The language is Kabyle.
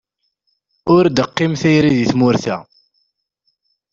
Ur d-teqqim tayri deg tmurt-a.